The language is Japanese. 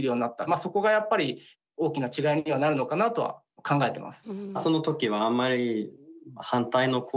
そこがやっぱり大きな違いにはなるのかなとは考えてます。